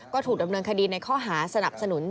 ก็ถูกดำเนินคดีในข้อหาสนับสนุน